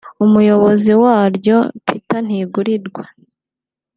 Umuyobozi waryo Peter Ntigurirwa